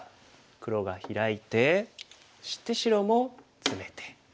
黒がヒラいてそして白もツメて。